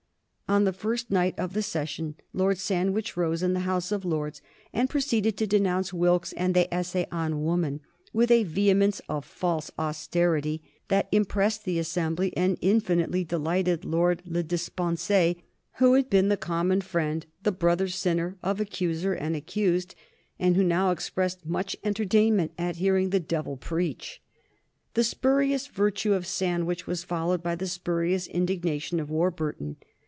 On the first night of the session Lord Sandwich rose in the House of Lords, and proceeded to denounce Wilkes and the "Essay on Woman" with a vehemence of false austerity that impressed the assembly and infinitely delighted Lord Le Despencer, who had been the common friend, the brother sinner of accuser and accused, and who now expressed much entertainment at hearing the devil preach. The spurious virtue of Sandwich was followed by the spurious indignation of Warburton.